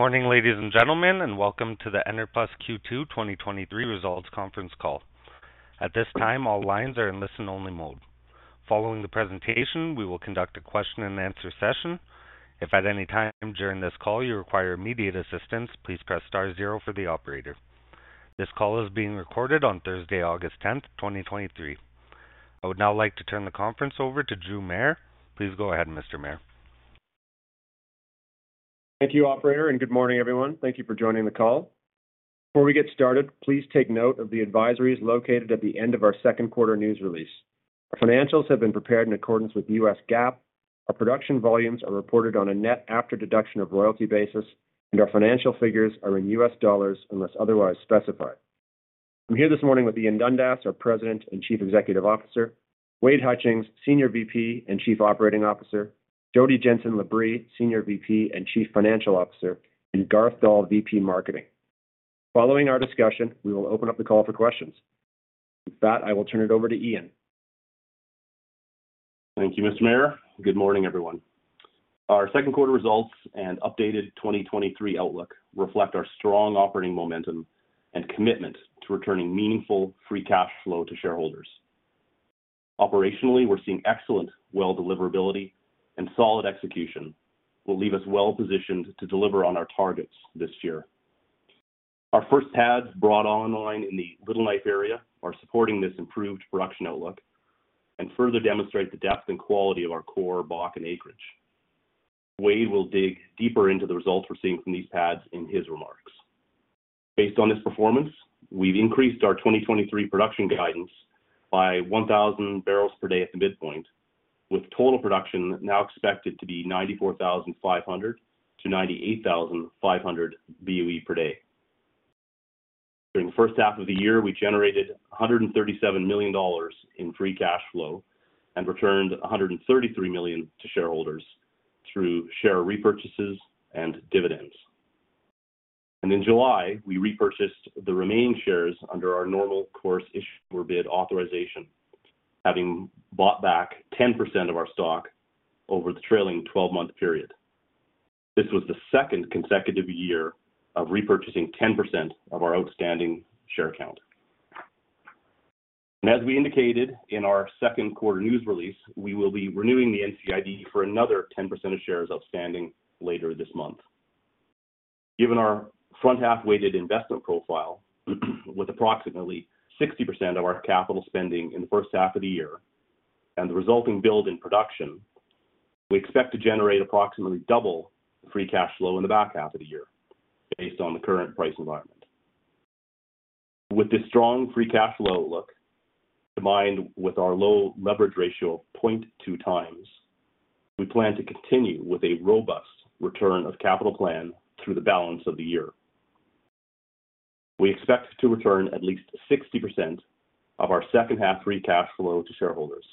Morning, ladies and gentlemen, welcome to the Enerplus Q2 2023 Results Conference Call. At this time, all lines are in listen-only mode. Following the presentation, we will conduct a question and answer session. If at any time during this call you require immediate assistance, please press star zero for the operator. This call is being recorded on Thursday, August 10th, 2023. I would now like to turn the conference over to Drew Mair. Please go ahead, Mr. Mair. Thank you, operator, and good morning, everyone. Thank you for joining the call. Before we get started, please take note of the advisories located at the end of our Q2 news release. Our financials have been prepared in accordance with US GAAP. Our production volumes are reported on a net after deduction of royalty basis, and our financial figures are in US dollars unless otherwise specified. I'm here this morning with Ian Dundas, our President and Chief Executive Officer, Wade Hutchings, Senior VP and Chief Operating Officer, Jodine Jenson Labrie, Senior VP and Chief Financial Officer, and Garth Dahl, VP Marketing. Following our discussion, we will open up the call for questions. With that, I will turn it over to Ian. Thank you, Mr. Mair. Good morning, everyone. Our Q2 results and updated 2023 outlook reflect our strong operating momentum and commitment to returning meaningful free cash flow to shareholders. Operationally, we're seeing excellent well deliverability and solid execution will leave us well-positioned to deliver on our targets this year. Our first pads brought online in the Little Knife area are supporting this improved production outlook and further demonstrate the depth and quality of our core Bakken acreage. Wade will dig deeper into the results we're seeing from these pads in his remarks. Based on this performance, we've increased our 2023 production guidance by 1,000 barrels per day at the midpoint, with total production now expected to be 94,500 to 98,500 BOE per day. During the first half of the year, we generated $137 million in free cash flow and returned $133 million to shareholders through share repurchases and dividends. In July, we repurchased the remaining shares under our Normal Course Issuer Bid authorization, having bought back 10% of our stock over the trailing 12-month period. This was the second consecutive year of repurchasing 10% of our outstanding share count. As we indicated in our Q2 news release, we will be renewing the NCIB for another 10% of shares outstanding later this month. Given our front half-weighted investment profile, with approximately 60% of our capital spending in the first half of the year and the resulting build in production, we expect to generate approximately double the free cash flow in the back half of the year based on the current price environment. With this strong free cash flow outlook, combined with our low leverage ratio of 0.2x, we plan to continue with a robust return of capital plan through the balance of the year. We expect to return at least 60% of our second half free cash flow to shareholders,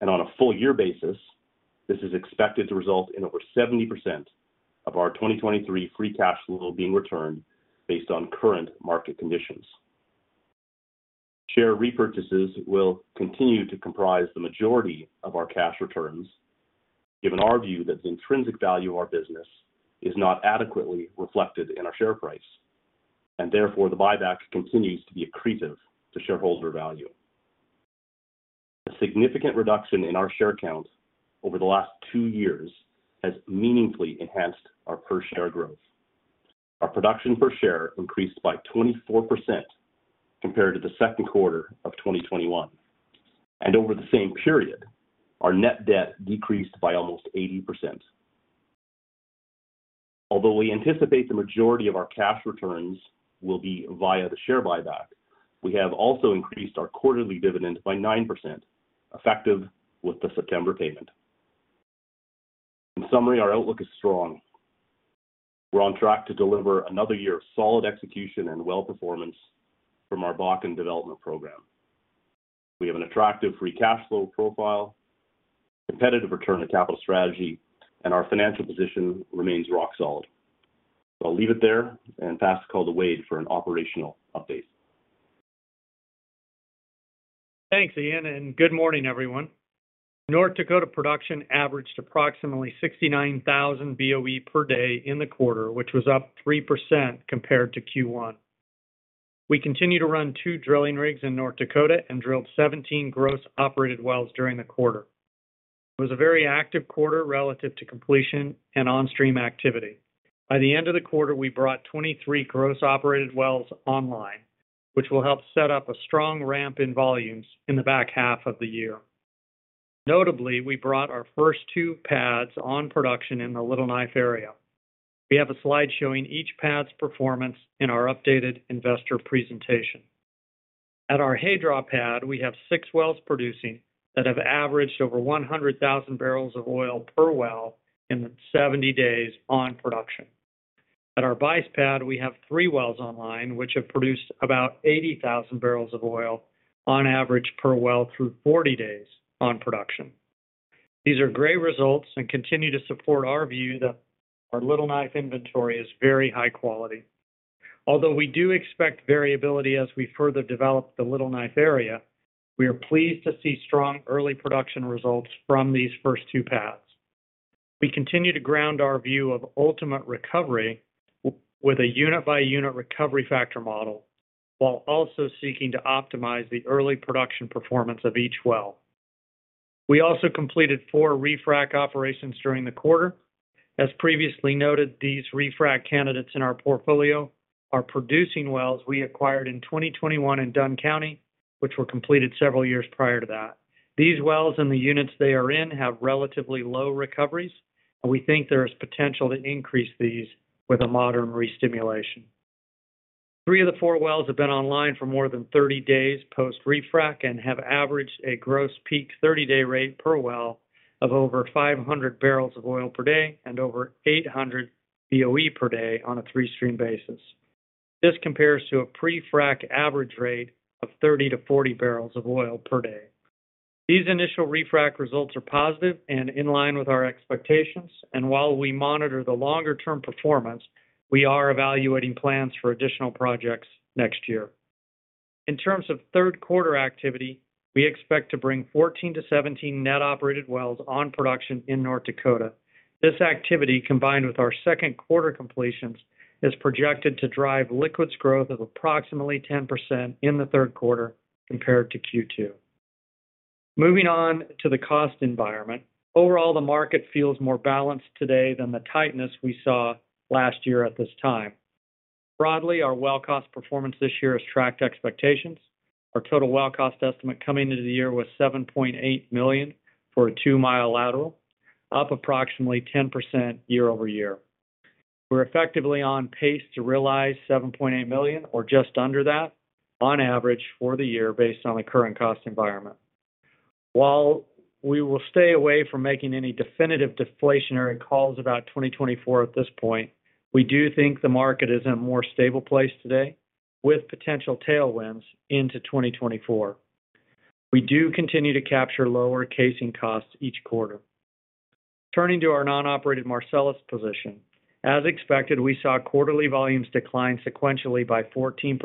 and on a full year basis, this is expected to result in over 70% of our 2023 free cash flow being returned based on current market conditions. Share repurchases will continue to comprise the majority of our cash returns, given our view that the intrinsic value of our business is not adequately reflected in our share price, and therefore, the buyback continues to be accretive to shareholder value. A significant reduction in our share count over the last two years has meaningfully enhanced our per share growth. Our production per share increased by 24% compared to the Q2 of 2021, and over the same period, our net debt decreased by almost 80%. Although we anticipate the majority of our cash returns will be via the share buyback, we have also increased our quarterly dividend by 9%, effective with the September payment. In summary, our outlook is strong. We're on track to deliver another year of solid execution and well performance from our Bakken development program. We have an attractive free cash flow profile, competitive return on capital strategy, and our financial position remains rock solid. I'll leave it there and pass the call to Wade for an operational update. Thanks, Ian, good morning, everyone. North Dakota production averaged approximately 69,000 BOE per day in the quarter, which was up 3% compared to Q1. We continue to run 2 drilling rigs in North Dakota and drilled 17 gross operated wells during the quarter. It was a very active quarter relative to completion and on-stream activity. By the end of the quarter, we brought 23 gross operated wells online, which will help set up a strong ramp in volumes in the back half of the year. Notably, we brought our first two pads on production in the Little Knife area. We have a slide showing each pad's performance in our updated investor presentation. At our Haydraw pad, we have 6 wells producing that have averaged over 100,000 barrels of oil per well in the 70 days on production. At our Bais pad, we have three wells online, which have produced about 80,000 barrels of oil on average per well through 40 days on production. These are great results and continue to support our view that our Little Knife inventory is very high quality. Although we do expect variability as we further develop the Little Knife area, we are pleased to see strong early production results from these first two pads. We continue to ground our view of ultimate recovery with a unit-by-unit recovery factor model, while also seeking to optimize the early production performance of each well. We also completed 4 refrac operations during the quarter. As previously noted, these refrac candidates in our portfolio are producing wells we acquired in 2021 in Dunn County, which were completed several years prior to that. These wells and the units they are in have relatively low recoveries, and we think there is potential to increase these with a modern restimulation. 3 of the 4 wells have been online for more than 30 days post-refrac, and have averaged a gross peak 30-day rate per well of over 500 barrels of oil per day and over 800 BOE per day on a three-stream basis. This compares to a pre-frac average rate of 30-40 barrels of oil per day. These initial refrac results are positive and in line with our expectations, and while we monitor the longer term performance, we are evaluating plans for additional projects next year. In terms of Q3 activity, we expect to bring 14-17 net operated wells on production in North Dakota. This activity, combined with our Q2 completions, is projected to drive liquids growth of approximately 10% in the Q3 compared to Q2. Moving on to the cost environment. Overall, the market feels more balanced today than the tightness we saw last year at this time. Broadly, our well cost performance this year has tracked expectations. Our total well cost estimate coming into the year was $7.8 million for a two-mile lateral, up approximately 10% year-over-year. We're effectively on pace to realize $7.8 million, or just under that, on average for the year based on the current cost environment. While we will stay away from making any definitive deflationary calls about 2024 at this point, we do think the market is in a more stable place today, with potential tailwinds into 2024. We do continue to capture lower casing costs each quarter. Turning to our non-operated Marcellus position, as expected, we saw quarterly volumes decline sequentially by 14%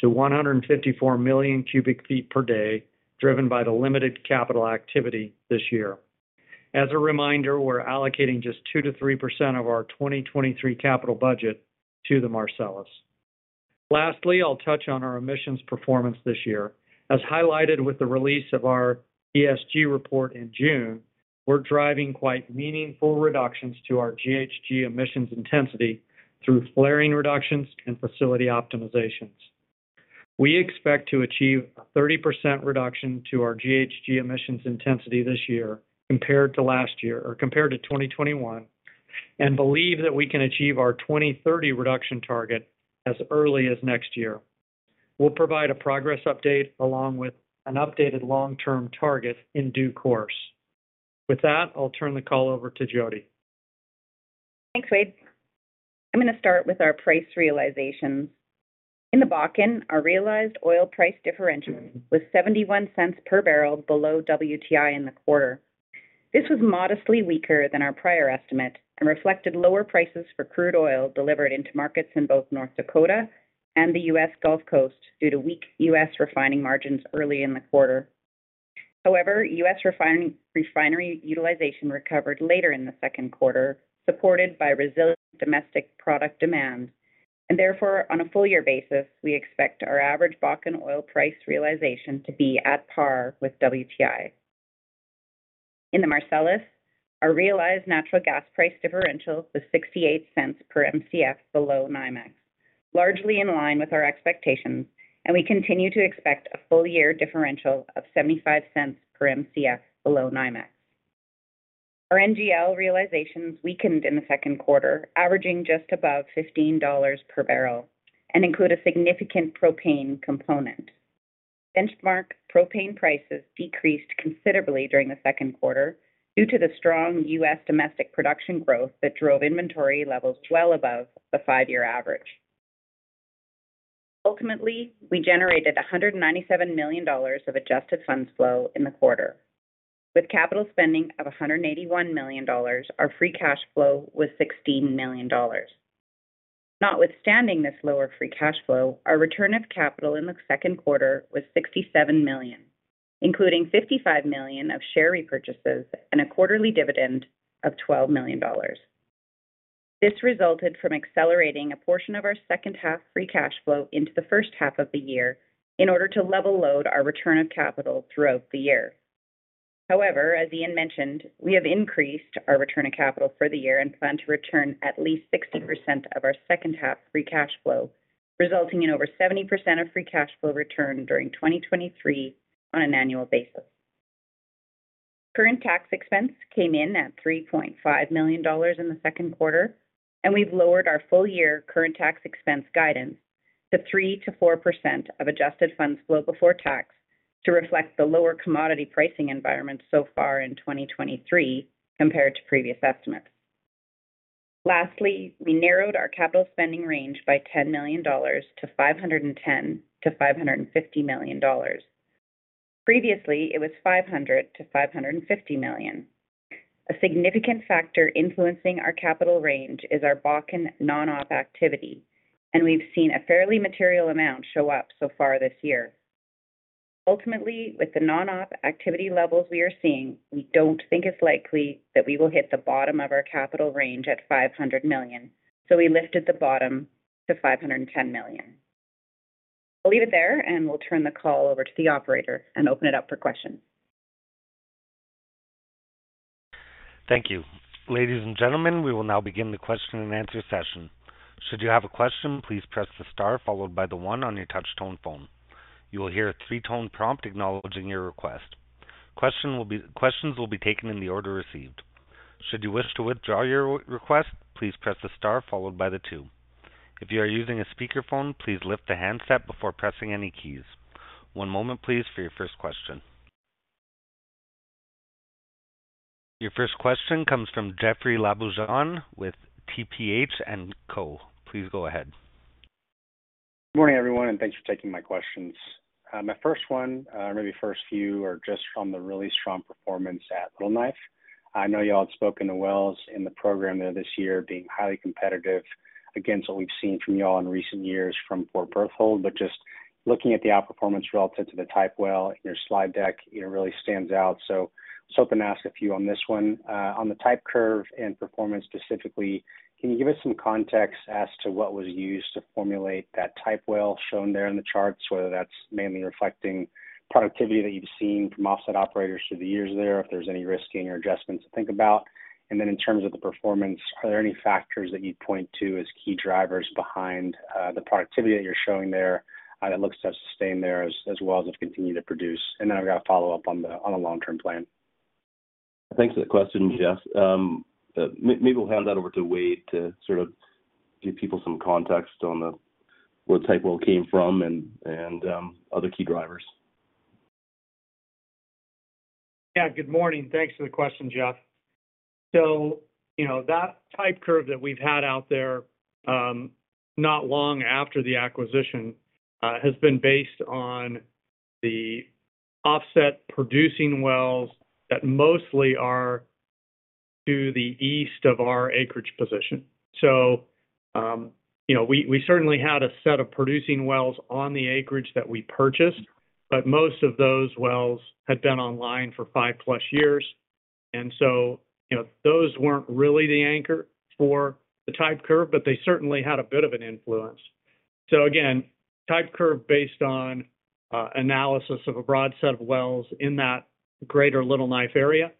to 154 million cubic feet per day, driven by the limited capital activity this year. As a reminder, we're allocating just 2%-3% of our 2023 capital budget to the Marcellus. Lastly, I'll touch on our emissions performance this year. As highlighted with the release of our ESG report in June, we're driving quite meaningful reductions to our GHG emissions intensity through flaring reductions and facility optimizations. We expect to achieve a 30% reduction to our GHG emissions intensity this year compared to last year, or compared to 2021, and believe that we can achieve our 2030 reduction target as early as next year. We'll provide a progress update along with an updated long-term target in due course. With that, I'll turn the call over to Jodi. Thanks, Wade. I'm going to start with our price realizations. In the Bakken, our realized oil price differential was $0.71 per barrel below WTI in the quarter. This was modestly weaker than our prior estimate and reflected lower prices for crude oil delivered into markets in both North Dakota and the U.S. Gulf Coast due to weak U.S. refining margins early in the quarter. Refinery utilization recovered later in the Q2 supported by resilient domestic product demand, and therefore, on a full year basis, we expect our average Bakken oil price realization to be at par with WTI. In the Marcellus, our realized natural gas price differential was $0.68 per Mcf below NYMEX, largely in line with our expectations, and we continue to expect a full year differential of $0.75 per Mcf below NYMEX. Our NGL realizations weakened in the Q2, averaging just above $15 per barrel, and include a significant propane component. Benchmark propane prices decreased considerably during the Q2 due to the strong U.S. domestic production growth that drove inventory levels well above the five-year average. Ultimately, we generated $197 million of adjusted funds flow in the quarter. With capital spending of $181 million, our free cash flow was $16 million. Notwithstanding this lower free cash flow, our return of capital in the Q2 was $67 million, including $55 million of share repurchases and a quarterly dividend of $12 million. This resulted from accelerating a portion of our second half free cash flow into the first half of the year in order to level load our return of capital throughout the year. However, as Ian mentioned, we have increased our return of capital for the year and plan to return at least 60% of our second half free cash flow, resulting in over 70% of free cash flow return during 2023 on an annual basis. Current tax expense came in at $3.5 million in the Q2, and we've lowered our full year current tax expense guidance to 3%-4% of adjusted funds flow before tax, to reflect the lower commodity pricing environment so far in 2023 compared to previous estimates. Lastly, we narrowed our capital spending range by $10 million to $510 million-$550 million. Previously, it was $500 million-$550 million. A significant factor influencing our capital range is our Bakken non-op activity, and we've seen a fairly material amount show up so far this year. Ultimately, with the non-op activity levels we are seeing, we don't think it's likely that we will hit the bottom of our capital range at $500 million, so we lifted the bottom to $510 million. I'll leave it there, and we'll turn the call over to the operator and open it up for questions. Thank you. Ladies and gentlemen, we will now begin the question and answer session. Should you have a question, please press star 1 on your touch tone phone. You will hear a 3-tone prompt acknowledging your request. Questions will be taken in the order received. Should you wish to withdraw your request, please press star 2. If you are using a speakerphone, please lift the handset before pressing any keys. One moment, please, for your first question. Your first question comes from Jeoffrey Lambujon with TPH & Co.. Please go ahead. Good morning, everyone, and thanks for taking my questions. My first one, or maybe first few, are just on the really strong performance at Little Knife. I know you all had spoken to wells in the program there this year being highly competitive against what we've seen from you all in recent years from Fort Berthold. But just looking at the outperformance relative to the type well in your slide deck, it really stands out. So I was hoping to ask a few on this one. On the type curve and performance specifically, can you give us some context as to what was used to formulate that type well shown there in the charts, whether that's mainly reflecting productivity that you've seen from offset operators through the years there, if there's any risk in your adjustments to think about? Then in terms of the performance, are there any factors that you'd point to as key drivers behind the productivity that you're showing there, and it looks to have sustained there as, as wells have continued to produce? Then I've got a follow-up on the, on the long-term plan. Thanks for the question, Jeff. Maybe we'll hand that over to Wade to sort of give people some context on the, where type well came from and, and, other key drivers. Yeah, good morning. Thanks for the question, Jeff. You know, that type curve that we've had out there, not long after the acquisition, has been based on the offset producing wells that mostly are to the east of our acreage position. You know, we, we certainly had a set of producing wells on the acreage that we purchased, but most of those wells had been online for 5+ years, you know, those weren't really the anchor for the type curve, but they certainly had a bit of an influence. Again, type curve based on analysis of a broad set of wells in that greater Little Knife area,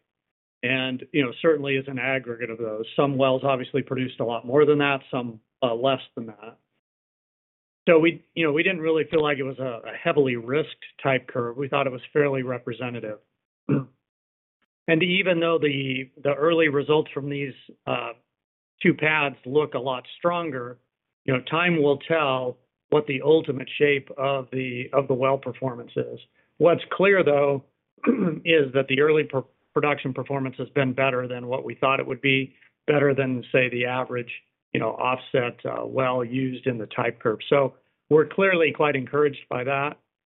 you know, certainly is an aggregate of those. Some wells obviously produced a lot more than that, some less than that. We, you know, we didn't really feel like it was a, a heavily risked type curve. We thought it was fairly representative. Even though the, the early results from these two pads look a lot stronger, you know, time will tell what the ultimate shape of the, of the well performance is. What's clear, though, is that the early production performance has been better than what we thought it would be, better than, say, the average, you know, offset well used in the type curve. We're clearly quite encouraged by that.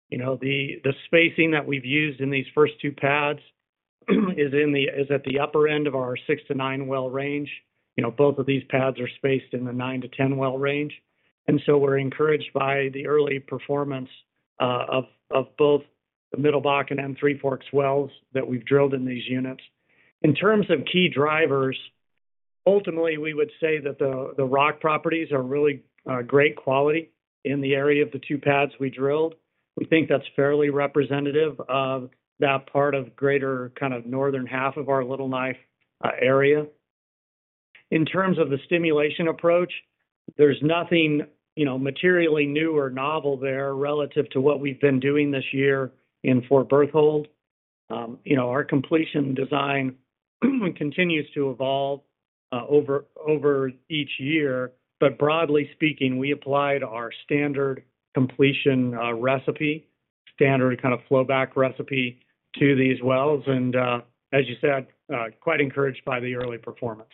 You know, the, the spacing that we've used in these first two pads is at the upper end of our six to nine well range. You know, both of these pads are spaced in the 9 to 10 well range. We're encouraged by the early performance, of, of both the Middle Bakken and Three Forks wells that we've drilled in these units. In terms of key drivers, ultimately, we would say that the, the rock properties are really, great quality in the area of the two pads we drilled. We think that's fairly representative of that part of greater, kind of northern half of our Little Knife area. In terms of the stimulation approach, there's nothing, you know, materially new or novel there relative to what we've been doing this year in Fort Berthold. You know, our completion design continues to evolve over, over each year, but broadly speaking, we applied our standard completion recipe, standard kind of flowback recipe to these wells. As you said, quite encouraged by the early performance.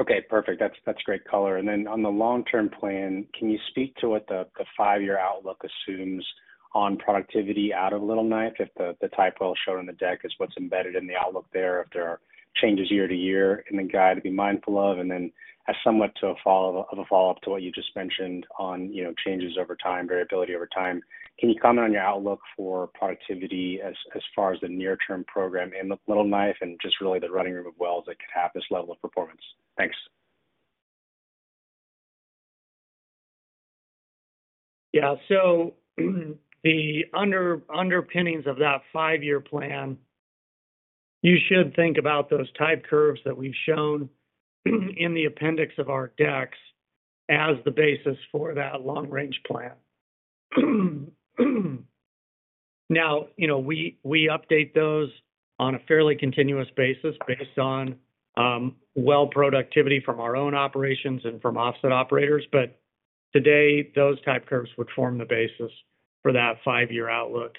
Okay, perfect. That's, that's great color. Then on the long-term plan, can you speak to what the, the five-year outlook assumes on productivity out of Little Knife? If the, the type well shown on the deck is what's embedded in the outlook there, if there are changes year-to-year in the guide to be mindful of? Then as somewhat to a follow-up, of a follow-up to what you just mentioned on, you know, changes over time, variability over time, can you comment on your outlook for productivity as, as far as the near term program in the Little Knife and just really the running room of wells that could have this level of performance? Thanks. The underpinnings of that 5-year plan, you should think about those type curves that we've shown in the appendix of our decks as the basis for that long-range plan. Now, you know, we, we update those on a fairly continuous basis, based on well productivity from our own operations and from offset operators. Today, those type curves would form the basis for that 5-year outlook.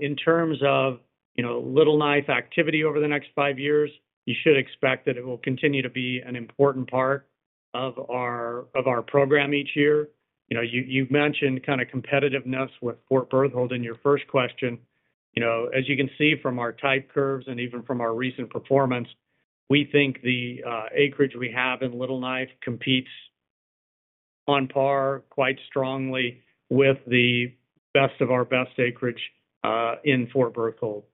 In terms of, you know, Little Knife activity over the next 5 years, you should expect that it will continue to be an important part of our, of our program each year. You know, you, you've mentioned kind of competitiveness with Fort Berthold in your first question. You know, as you can see from our type curves and even from our recent performance, we think the acreage we have in Little Knife competes on par quite strongly with the best of our best acreage in Fort Berthold.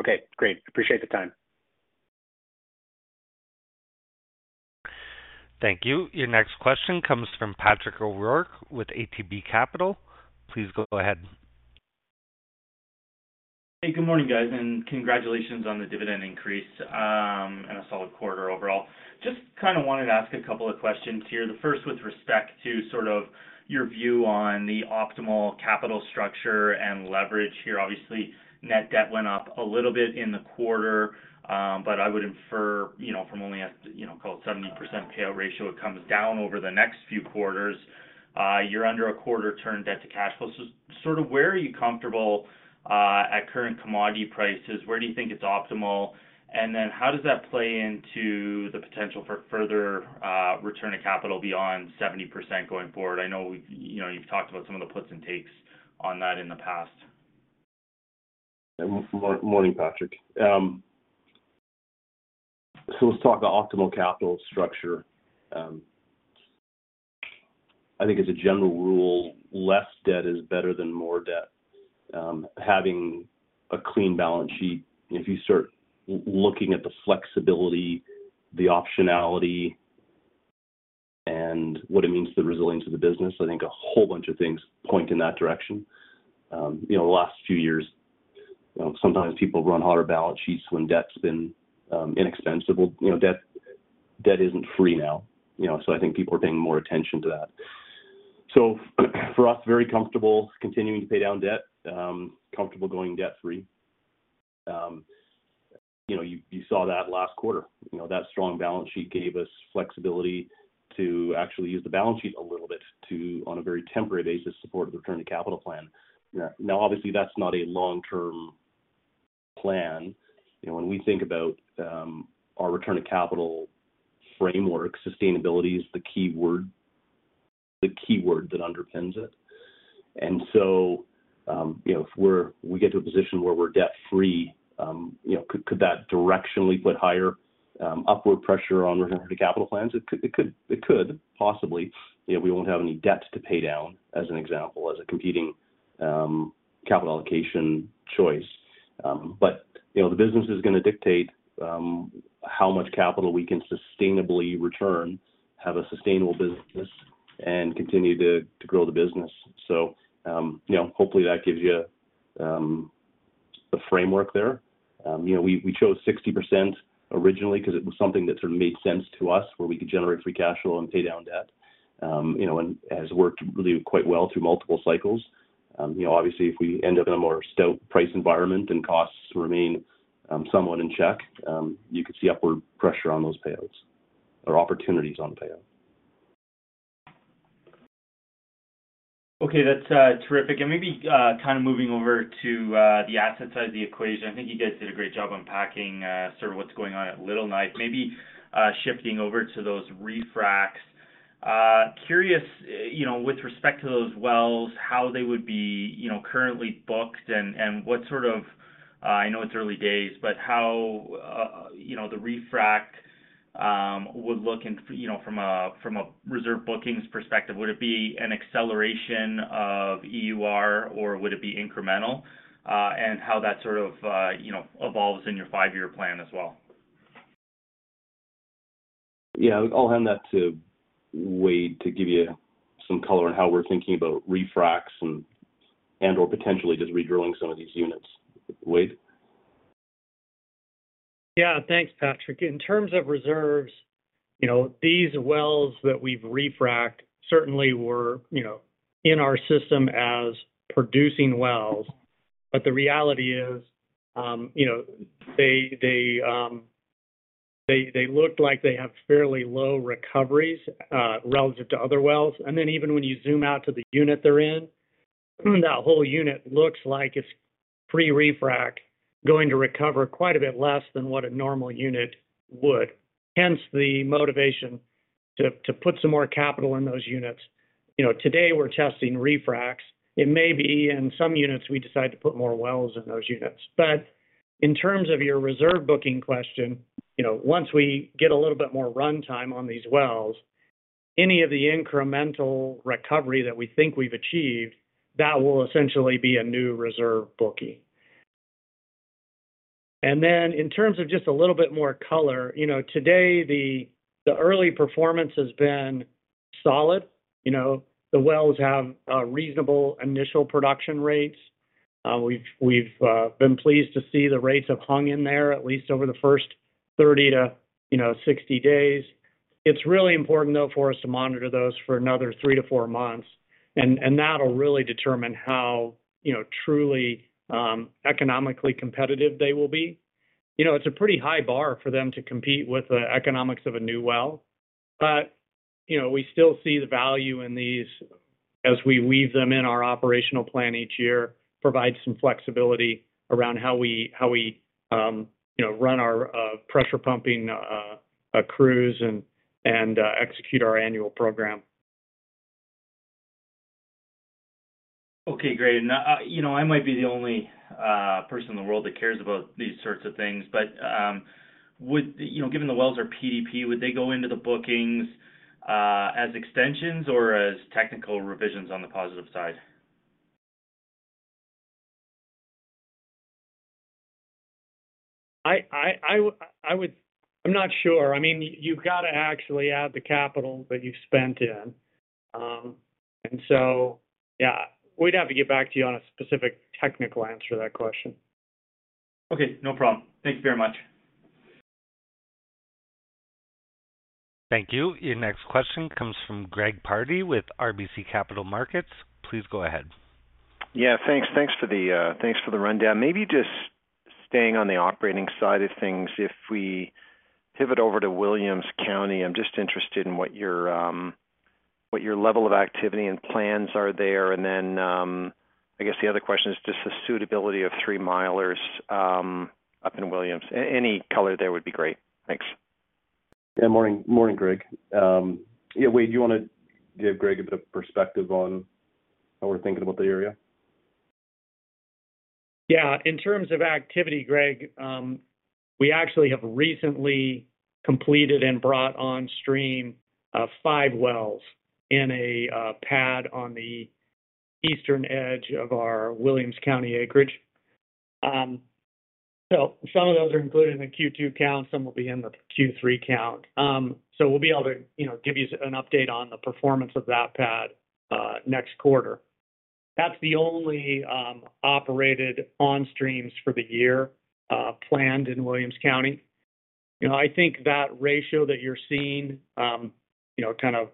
Okay, great. Appreciate the time. Thank you. Your next question comes from Patrick O'Rourke with ATB Capital. Please go ahead. Hey, good morning, guys, congratulations on the dividend increase and a solid quarter overall. Just kind of wanted to ask a couple of questions here. The first, with respect to sort of your view on the optimal capital structure and leverage here. Obviously, net debt went up a little bit in the quarter, but I would infer, you know, from only a, you know, call it 70% payout ratio, it comes down over the next few quarters. You're under a 0.25x turn debt to cash flow. Sort of where are you comfortable at current commodity prices? Where do you think it's optimal? Then how does that play into the potential for further return of capital beyond 70% going forward? I know, you know, you've talked about some of the puts and takes on that in the past. Good morning, Patrick. Let's talk about optimal capital structure. I think as a general rule, less debt is better than more debt. Having a clean balance sheet, if you start looking at the flexibility, the optionality, and what it means to the resilience of the business, I think a whole bunch of things point in that direction. You know, the last few years, you know, sometimes people run hotter balance sheets when debt's been inexpensive. You know, debt, debt isn't free now, you know, I think people are paying more attention to that. For us, very comfortable continuing to pay down debt, comfortable going debt-free. You know, you, you saw that last quarter. You know, that strong balance sheet gave us flexibility to actually use the balance sheet a little bit to, on a very temporary basis, support the return of capital plan. Now, obviously, that's not a long-term plan. You know, when we think about our return of capital framework, sustainability is the key word, the key word that underpins it. So, you know, if we get to a position where we're debt-free, you know, could, could that directionally put higher, upward pressure on return to capital plans? It could, it could, it could possibly. You know, we won't have any debts to pay down, as an example, as a competing, capital allocation choice. You know, the business is gonna dictate how much capital we can sustainably return, have a sustainable business, and continue to, to grow the business. You know, hopefully, that gives you the framework there. You know, we, we chose 60% originally because it was something that sort of made sense to us, where we could generate free cash flow and pay down debt. You know, has worked really quite well through multiple cycles. You know, obviously, if we end up in a more stout price environment and costs remain, somewhat in check, you could see upward pressure on those payouts or opportunities on payout. Okay, that's terrific. Maybe, kind of moving over to the asset side of the equation. I think you guys did a great job unpacking, sort of what's going on at Little Knife. Maybe shifting over to those refracs. Curious, you know, with respect to those wells, how they would be, you know, currently booked and what sort of, I know it's early days, but how, you know, the refrac would look in, you know, from a, from a reserve bookings perspective? Would it be an acceleration of EUR, or would it be incremental? How that sort of, you know, evolves in your five-year plan as well. Yeah, I'll hand that to Wade to give you some color on how we're thinking about refracs and, and/or potentially just redrilling some of these units. Wade? Yeah. Thanks, Patrick. In terms of reserves, you know, these wells that we've refraced certainly were, you know, in our system as producing wells. The reality is, you know, they, they, they, they looked like they have fairly low recoveries, relative to other wells. Then even when you zoom out to the unit they're in, that whole unit looks like it's pre-refrac, going to recover quite a bit less than what a normal unit would. Hence, the motivation to, to put some more capital in those units. You know, today, we're testing refracs. It may be in some units, we decide to put more wells in those units. In terms of your reserve booking question, you know, once we get a little bit more runtime on these wells, any of the incremental recovery that we think we've achieved, that will essentially be a new reserve booking. In terms of just a little bit more color, you know, today, the early performance has been solid. You know, the wells have reasonable initial production rates. We've, we've been pleased to see the rates have hung in there at least over the first 30 to 60 days. It's really important, though, for us to monitor those for another 3 to 4 months, and that'll really determine how, you know, truly economically competitive they will be. You know, it's a pretty high bar for them to compete with the economics of a new well. you know, we still see the value in these as we weave them in our operational plan each year, provide some flexibility around how we, how we, you know, run our pressure pumping crews and, and, execute our annual program. Okay, great. You know, I might be the only person in the world that cares about these sorts of things, but, you know, given the wells are PDP, would they go into the bookings as extensions or as technical revisions on the positive side? I'm not sure. I mean, you've got to actually add the capital that you've spent in. Yeah, we'd have to get back to you on a specific technical answer to that question. Okay, no problem. Thank you very much. Thank you. Your next question comes from Greg Pardy with RBC Capital Markets. Please go ahead. Yeah, thanks. Thanks for the thanks for the rundown. Maybe just staying on the operating side of things, if we pivot over to Williams County, I'm just interested in what your what your level of activity and plans are there. Then I guess the other question is just the suitability of three-milers up in Williams. Any color there would be great. Thanks. Yeah. Morning. Morning, Greg. Wade, do you want to give Greg a bit of perspective on how we're thinking about the area? Yeah. In terms of activity, Greg, we actually have recently completed and brought on stream, 5 wells in a pad on the eastern edge of our Williams County acreage. Some of those are included in the Q2 count, some will be in the Q3 count. We'll be able to, you know, give you an update on the performance of that pad next quarter. That's the only operated on streams for the year planned in Williams County. You know, I think that ratio that you're seeing, you know, kind of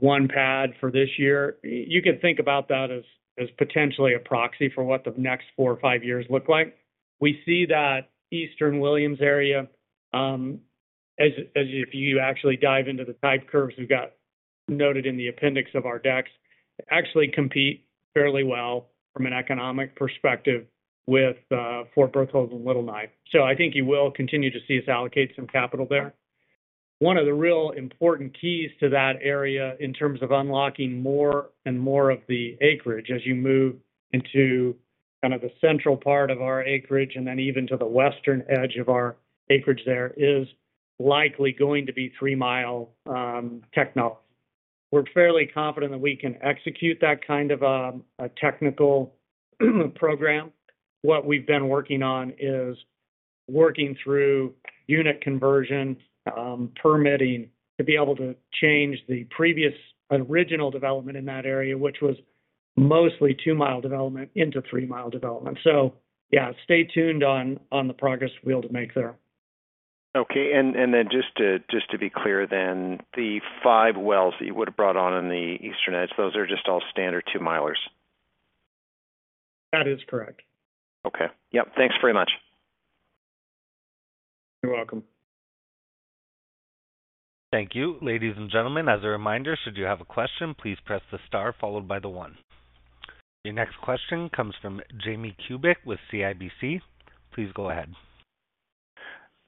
1 pad for this year, you could think about that as, as potentially a proxy for what the next 4 or 5 years look like. We see that eastern Williams County area, as, as if you actually dive into the type curves we've got noted in the appendix of our decks, actually compete fairly well from an economic perspective with Fort Berthold and Little Knife. I think you will continue to see us allocate some capital there. One of the real important keys to that area, in terms of unlocking more and more of the acreage as you move into kind of the central part of our acreage, and then even to the western edge of our acreage there, is likely going to be three-mile technology. We're fairly confident that we can execute that kind of a technical program. What we've been working on is working through unit conversion permitting, to be able to change the previous original development in that area, which was mostly two-mile development into three-mile development. yeah, stay tuned on the progress we'll able to make there. Okay. Be clear then, the 5 wells that you would have brought on in the eastern edge, those are just all standard two-milers? That is correct. Okay. Yep. Thanks very much. You're welcome. Thank you. Ladies and gentlemen, as a reminder, should you have a question, please press the star followed by the one. Your next question comes from Jamie Kubik with CIBC. Please go ahead.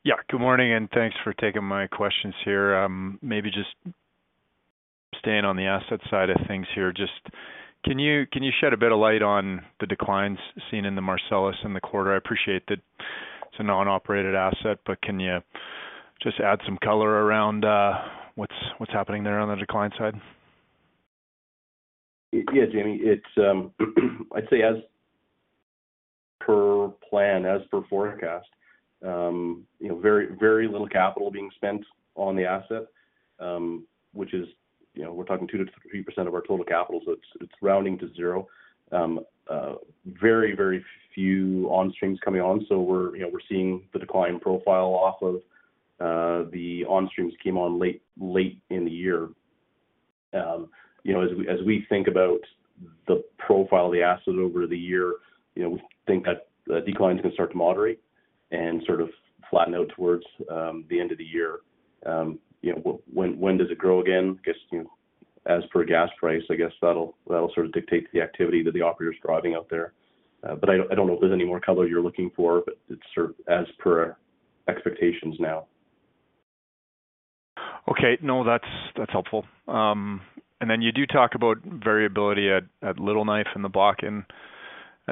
Yeah. Good morning, thanks for taking my questions here. Maybe just staying on the asset side of things here, just can you shed a bit of light on the declines seen in the Marcellus in the quarter? I appreciate that it's a non-operated asset, can you just add some color around what's happening there on the decline side? Jaime, it's, I'd say as per plan, as per forecast, you know, very, very little capital being spent on the asset, which is, you know, we're talking 2%-3% of our total capital, so it's, it's rounding to zero. Very, very few on streams coming on, so we're, you know, we're seeing the decline profile off of the on streams came on late, late in the year. You know, as we, as we think about the profile of the asset over the year, you know, we think that the declines can start to moderate and sort of flatten out towards the end of the year. You know, when does it grow again? I guess, you know, as per gas price, I guess that'll, that'll sort of dictate the activity that the operator is driving out there. I don't, I don't know if there's any more color you're looking for, but it's sort of as per expectations now. Okay. No, that's, that's helpful. Then you do talk about variability at, at Little Knife and the Bakken, and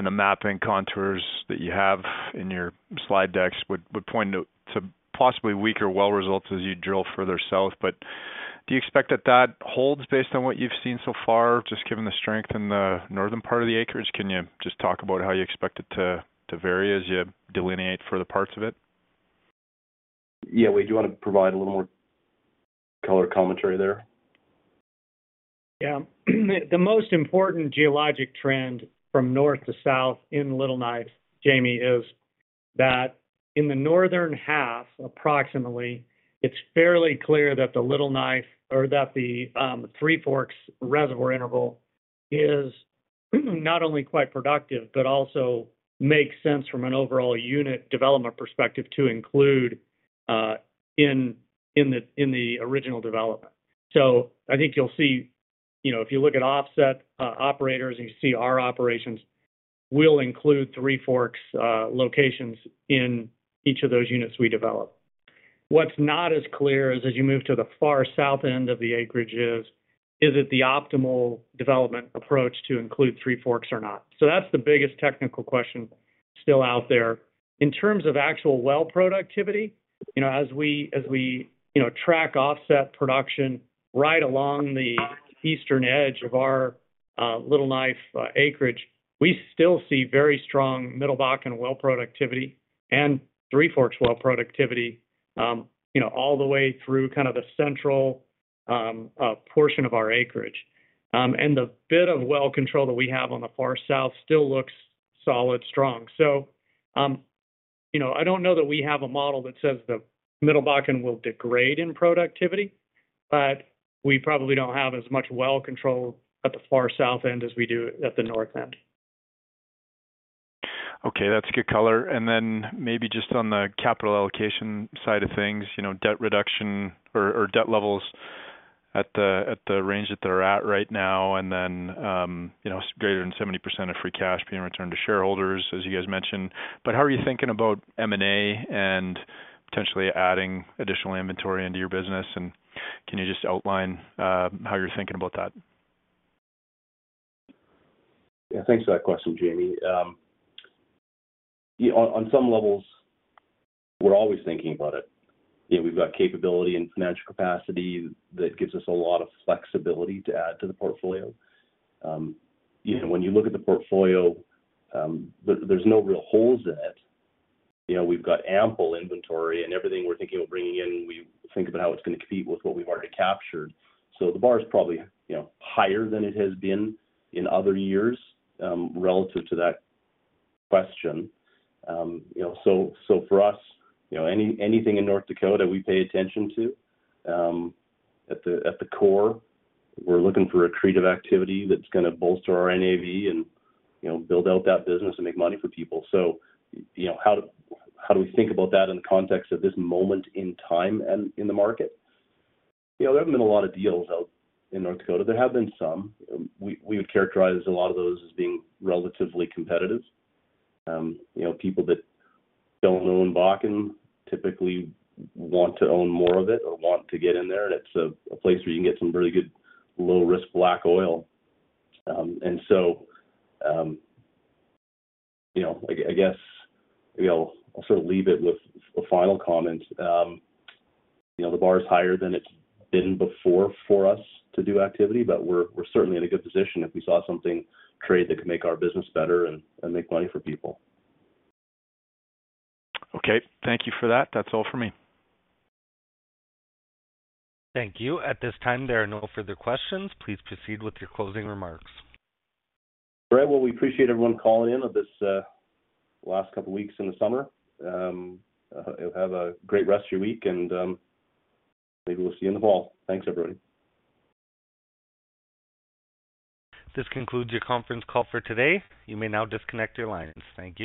the mapping contours that you have in your slide decks would, would point to, to possibly weaker well results as you drill further south. Do you expect that that holds based on what you've seen so far, just given the strength in the northern part of the acreage? Can you just talk about how you expect it to, to vary as you delineate further parts of it? Yeah. Wade, do you want to provide a little more color commentary there? Yeah. The most important geologic trend from north to south in Little Knife, Jamie, is that in the northern half, approximately, it's fairly clear that the Little Knife or that the Three Forks reservoir interval is not only quite productive, but also makes sense from an overall unit development perspective to include in, in the, in the original development. I think you'll see, you know, if you look at offset operators, and you see our operations, we'll include Three Forks locations in each of those units we develop. What's not as clear is as you move to the far south end of the acreages, is it the optimal development approach to include Three Forks or not? That's the biggest technical question still out there. In terms of actual well productivity, you know, as we, as we, you know, track offset production right along the eastern edge of our Little Knife acreage, we still see very strong Middle Bakken well productivity and Three Forks well productivity, you know, all the way through kind of the central portion of our acreage. The bit of well control that we have on the far south still looks solid strong. You know, I don't know that we have a model that says the Middle Bakken will degrade in productivity, but we probably don't have as much well control at the far south end as we do at the north end. Okay, that's good color. Then maybe just on the capital allocation side of things, you know, debt reduction or, or debt levels at the, at the range that they're at right now, then, you know, greater than 70% of free cash being returned to shareholders, as you guys mentioned. How are you thinking about M&A and potentially adding additional inventory into your business? Can you just outline how you're thinking about that? Yeah, thanks for that question, Jamie Kubik. Yeah, on, on some levels, we're always thinking about it. You know, we've got capability and financial capacity that gives us a lot of flexibility to add to the portfolio. You know, when you look at the portfolio, there, there's no real holes in it. You know, we've got ample inventory, and everything we're thinking of bringing in, we think about how it's gonna compete with what we've already captured. The bar is probably, you know, higher than it has been in other years, relative to that question. You know, so for us, you know, any- anything in North Dakota, we pay attention to. At the, at the core, we're looking for accretive activity that's gonna bolster our NAV and, you know, build out that business and make money for people. You know, how do, how do we think about that in the context of this moment in time and in the market? You know, there haven't been a lot of deals out in North Dakota. There have been some. We, we would characterize a lot of those as being relatively competitive. You know, people that don't own Bakken typically want to own more of it or want to get in there, and it's a, a place where you can get some very good, low-risk black oil. You know, I, I guess, maybe I'll, I'll sort of leave it with a final comment. You know, the bar is higher than it's been before for us to do activity, we're, we're certainly in a good position if we saw something trade that could make our business better and, and make money for people. Okay. Thank you for that. That's all for me. Thank you. At this time, there are no further questions. Please proceed with your closing remarks. All right. Well, we appreciate everyone calling in on this last couple of weeks in the summer. Have a great rest of your week, and maybe we'll see you in the fall. Thanks, everybody. This concludes your conference call for today. You may now disconnect your lines. Thank you.